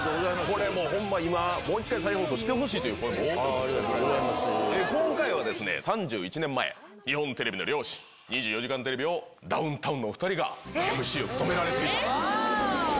これ、ほんま、今、もう一回、再放送してほしいという声も多くて、今回はですね、３１年前、日本テレビの良心２４時間テレビを、ダウンタウンのお２人がＭＣを務められていたと。